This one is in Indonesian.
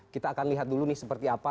kita akan lihat dulu nih seperti apa